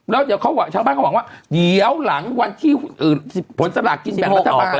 แล้วเดี๋ยวชาวบ้านเขาบอกว่าเดี๋ยวหลังวันที่ผลสลากกินแบ่งรัฐบาล